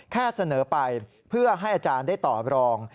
แค่เสนอไปเพื่อให้อาจารย์ได้ต่อรอง